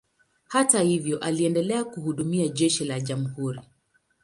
Hata hivyo, aliendelea kuhudumia jeshi la jamhuri.